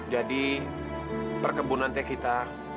jadi perkebunan teh kita